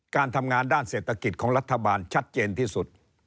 การทำงานด้านเศรษฐกิจของรัฐบาลชัดเจนที่สุด